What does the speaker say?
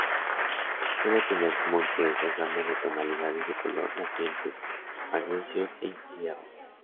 Suele tener como impurezas dándole tonalidades de color las siguientes: magnesio, cinc y hierro.